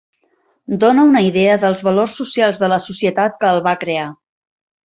Dona una idea dels valors socials de la societat que el va crear.